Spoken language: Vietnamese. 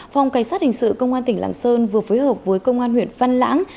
phòng cảnh sát hình sự công an tỉnh lạng sơn vừa phối hợp với công an huyện văn lãng